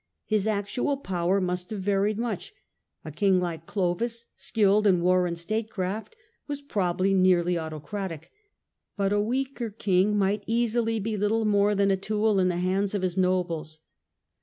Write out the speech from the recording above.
His actual power must have varied much. A king like Clovis, skilled in war and statecraft, was probably nearly autocratic. But a weaker king might easily be little more than a tool in the hands of his nobles.